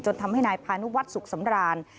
ทำให้นายพานุวัฒน์สุขสำราน